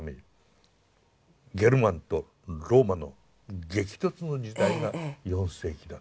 ゲルマンとローマの激突の時代が４世紀だった。